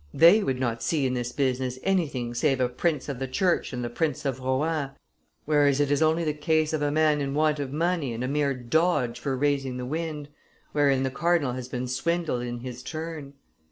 They would not see in this business anything save a prince of the church and the prince of Rohan, whereas it is only the case of a man in want of money and a mere dodge for raising the wind, wherein the cardinal has been swindled in his turn.